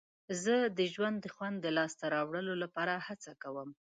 زه د ژوند د خوند د لاسته راوړلو لپاره هڅه کوم.